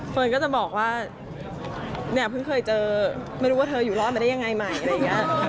ก็จะบอกว่าเนี่ยเพิ่งเคยเจอไม่รู้ว่าเธออยู่รอดมาได้ยังไงใหม่อะไรอย่างนี้